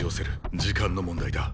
時間の問題だ。